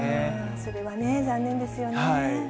それはね、残念ですよね。